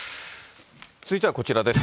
続いてはこちらです。